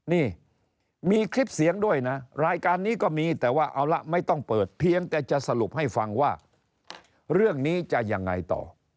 นี่มีคลิปเสียงด้วยนะรายการนี้ก็มีแต่ว่าเอาละไม่ต้องเปิดเพียงแต่จะสรุปให้ฟังว่าเรื่องนี้จะยังไงต่อ